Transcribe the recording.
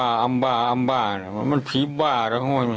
อร์มมาอร์มมาอร์มไงแล้วจะไปเห้ยหรอ